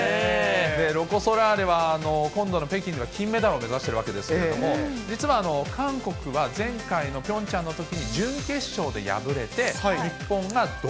ロコ・ソラーレは今度の北京では金メダルを目指しているわけですけれども、実は韓国は前回のピョンチャンのときに準決勝で敗れて、日本が銅。